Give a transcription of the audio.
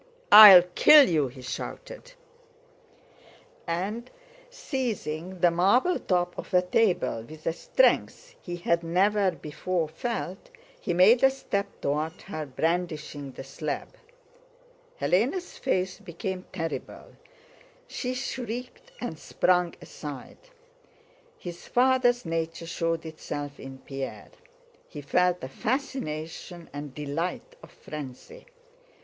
"I'll kill you!" he shouted, and seizing the marble top of a table with a strength he had never before felt, he made a step toward her brandishing the slab. Hélène's face became terrible, she shrieked and sprang aside. His father's nature showed itself in Pierre. He felt the fascination and delight of frenzy.